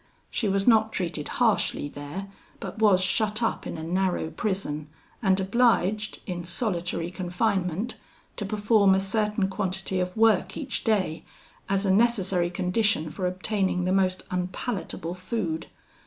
She was not treated harshly there, but was shut up in a narrow prison, and obliged, in solitary confinement, to perform a certain quantity of work each day, as a necessary condition for obtaining the most unpalatable food.